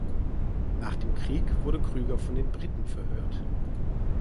Nach dem Krieg wurde Krüger von den Briten verhört.